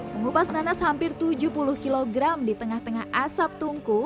mengupas nanas hampir tujuh puluh kg di tengah tengah asap tungku